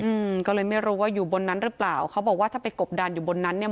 อืมก็เลยไม่รู้ว่าอยู่บนนั้นหรือเปล่าเขาบอกว่าถ้าไปกบดานอยู่บนนั้นเนี่ย